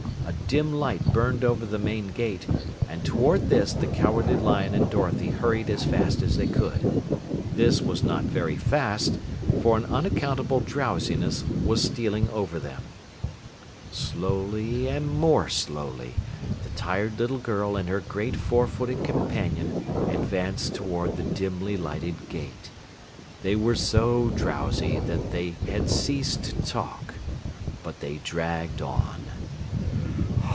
A dim light burned over the main gate, and toward this the Cowardly Lion and Dorothy hurried as fast as they could. This was not very fast, for an unaccountable drowsiness was stealing over them. Slowly and more slowly, the tired little girl and her great four footed companion advanced toward the dimly lighted gate. They were so drowsy that they had ceased to talk. But they dragged on.